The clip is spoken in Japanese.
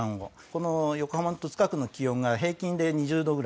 この横浜の戸塚区の気温が平均で２０度ぐらい。